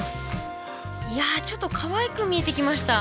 いやちょっとかわいく見えてきました。